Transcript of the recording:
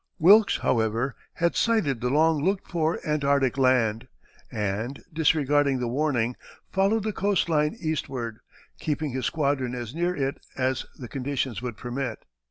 Wilkes, however, had sighted the long looked for Antarctic land, and, disregarding the warning, followed the coast line eastward, keeping his squadron as near it as the conditions would permit.